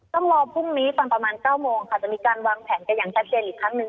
ต้องรอพรุ่งนี้ตอนประมาณ๙โมงค่ะจะมีการวางแผนกันอย่างชัดเจนอีกครั้งหนึ่ง